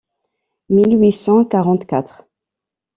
mille huit cent quarante-quatre.